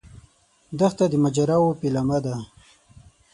دښته د ماجراوو پیلامه ده.